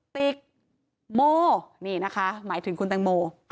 ติ๊กโมนี่นะคะหมายถึงคุณแตงโม